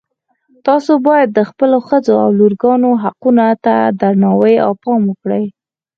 تاسو باید د خپلو ښځو او لورګانو حقونو ته درناوی او پام وکړئ